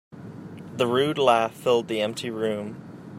The rude laugh filled the empty room.